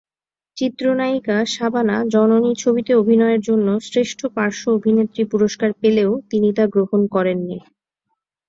চিত্র নায়িকা শাবানা "জননী" ছবিতে অভিনয়ের জন্য শ্রেষ্ঠ পার্শ্ব অভিনেত্রী পুরস্কার পেলেও তিনি তা গ্রহণ করেননি।